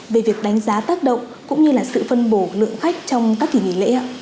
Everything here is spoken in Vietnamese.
về việc đánh giá tác động cũng như là sự phân bổ lượng khách trong các kỷ niệm lễ ạ